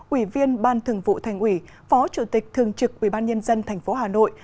ủy viên ban thường vụ thành ủy phó chủ tịch thường trực ubnd tp hà nội